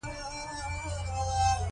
ژوند تر هغه زیات مهم دی.